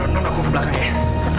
non aku ke belakang ya